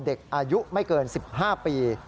เด็กอายุไม่เกิน๑๕ปี